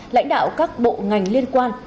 lãnh đạo các bộ ngành liên quan